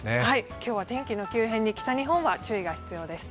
今日は天気の急変に北日本は必要です。